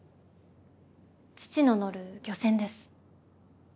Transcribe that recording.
父の乗る漁船です。